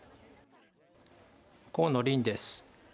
河野臨です。